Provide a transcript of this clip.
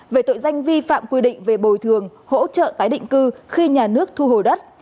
về tội danh vi phạm quy định về bồi thường hỗ trợ tái định cư khi nhà nước thu hồi đất